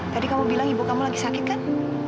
tadi kamu bilang ibu kamu lagi sakit kan